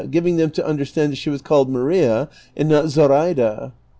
" giving them to understand that she was called " Maria " and not " Zoraida."